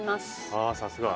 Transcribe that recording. ああさすが。